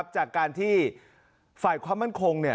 จากการที่ฝ่ายความมั่นคง